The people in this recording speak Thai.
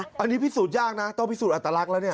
อันนี้พิสูจน์ยากนะต้องพิสูจนอัตลักษณ์แล้วเนี่ย